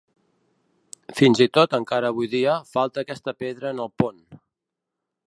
Fins i tot encara avui dia, falta aquesta pedra en el pont.